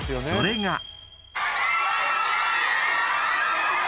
［それが］